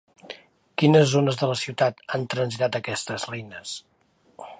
Quines zones de la ciutat han transitat aquestes reines?